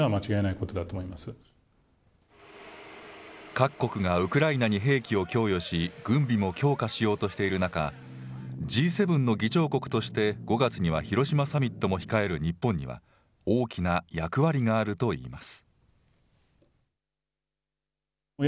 各国がウクライナに兵器を供与し、軍備も強化しようとしている中、Ｇ７の議長国として、５月には広島サミットを控える日本には、大きな役割があるといいます。